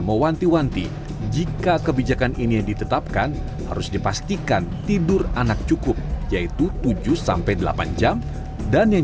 mewanti wanti jika kebijakan ini ditetapkan harus dipastikan tidur anak cukup yaitu tujuh delapan jam dan yang